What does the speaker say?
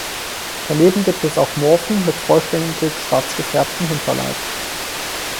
Daneben gibt es auch Morphen mit vollständig schwarz gefärbtem Hinterleib.